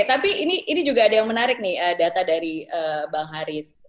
tapi ini juga ada yang menarik nih data dari bang haris